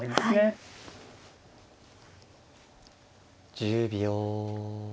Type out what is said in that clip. １０秒。